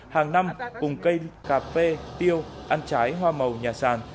hàng năm cùng cây cà phê tiêu ăn trái hoa màu nhà sàn